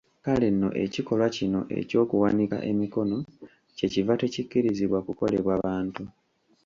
Kale nno ekikolwa kino eky’okuwanika emikono kye kiva tekikkirizibwa kukolebwa bantu.